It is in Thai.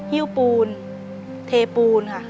ฮิ้วปูนเทปูนค่ะ